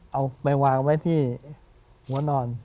เอาไปวางไว้ที่หัวนอน